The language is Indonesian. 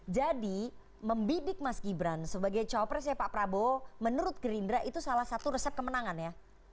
membidik mas gibran sebagai cowok presnya pak prabowo menurut gerindra itu salah satu resep kemenangan ya